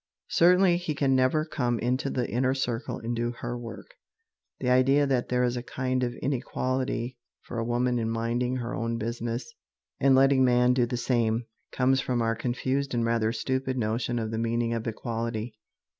Certainly, he can never come into the inner circle and do her work. The idea that there is a kind of inequality for a woman in minding her own business and letting man do the same, comes from our confused and rather stupid notion of the meaning of equality.